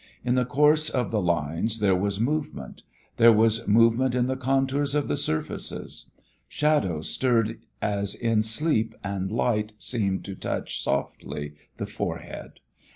In the course of the lines there was movement; there was movement in the contours of the surfaces; shadows stirred as in sleep and light seemed to softly touch the forehead.